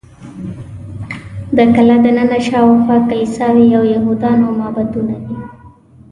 د کلا دننه او شاوخوا کلیساوې او یهودانو معبدونه دي.